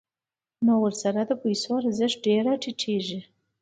نو ورسره د پیسو ارزښت ډېر راټیټېږي